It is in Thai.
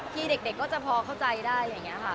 ที่เด็กก็จะพอเข้าใจได้อะไรอย่างนี้ค่ะ